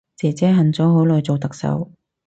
姐姐恨咗好耐做特首